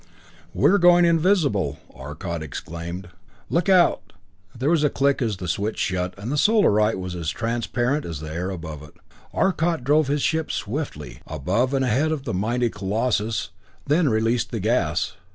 "We're going invisible," Arcot exclaimed. "Look out!" There was a click as the switch shut, and the Solarite was as transparent as the air above it. Arcot drove his ship swiftly, above and ahead of the mighty colossus, then released the gas.